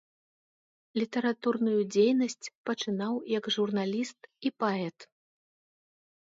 Літаратурную дзейнасць пачынаў як журналіст і паэт.